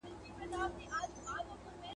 کابینه کډوالو ته ویزې نه بندوي.